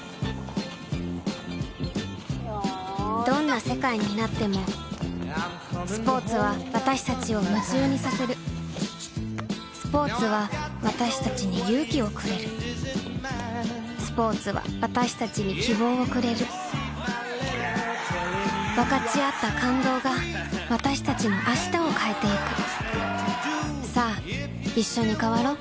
どんな世界になってもスポーツは私たちを夢中にさせるスポーツは私たちに勇気をくれるスポーツは私たちに希望をくれる分かち合った感動が私たちの明日を変えてゆくさあいっしょに変わろう